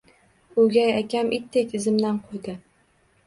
O’gay akam itdek izimdan quvdi